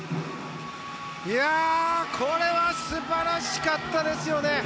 これは素晴らしかったですよね。